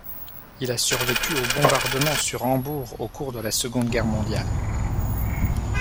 Il a survécu aux bombardements sur Hambourg au cours de la Seconde Guerre mondiale.